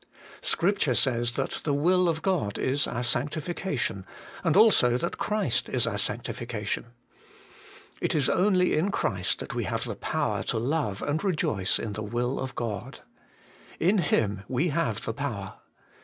Scripture says that the will of God is our sancti fication, and also that Christ is our Sanctification. It is only in Christ that we have the power to love and rejoice in the will of God. In Him we have the power.